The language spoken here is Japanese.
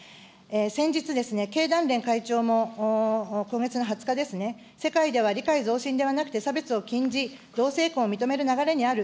先日ですね、経団連会長も、今月の２０日ですね、世界では理解増進ではなくて差別を禁じ、同性婚を認める流れにある。